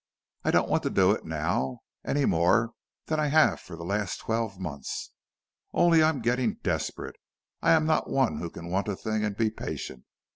"I don't want to do it now any more than I have for the last twelve months. Only I am getting desperate. I am not one who can want a thing and be patient.